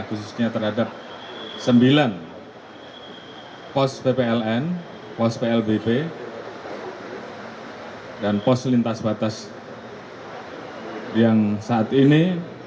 khususnya terhadap sembilan pos ppln pos plbp dan pos lintas batas yang saat ini